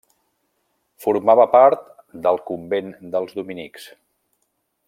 Formava part del Convent dels Dominics.